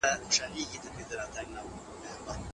لرغونی سياست د ننني سياست څخه توپير لري.